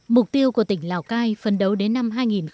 mục tiêu của tỉnh lào cai phấn đấu đến năm hai nghìn hai mươi